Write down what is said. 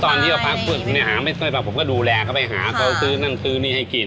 ตอนที่เขาพักฝึกหาไม่ค่อยมาผมก็ดูแลเขาไปหาเขาซื้อนั่นซื้อนี่ให้กิน